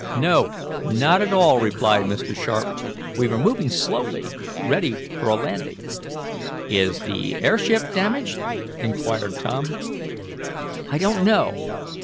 "No, not at all," replied Mr. Sharp. "We were moving slowly, ready for a landing." "Is the airship damaged?" inquired Tom. "I don't know.